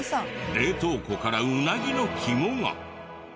冷凍庫からうなぎの肝が。